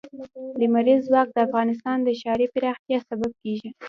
لمریز ځواک د افغانستان د ښاري پراختیا سبب کېږي.